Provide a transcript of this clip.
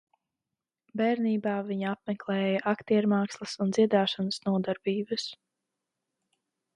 Bērnībā, viņa apmeklēja aktiermākslas un dziedāšanas nodarbības.